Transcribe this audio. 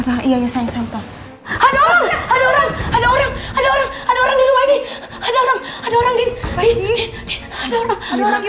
ada orang ada orang ada orang ada orang di rumah ini ada orang ada orang di